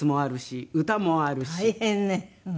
大変ね。